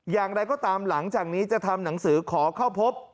อย่างไรก็ตามหลังจากนี้จะทำหนังสือขอเข้าพบ